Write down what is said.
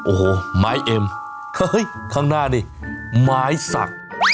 โอ้โหไม้เอ็มเฮ้ยข้างหน้านี่ไม้สัก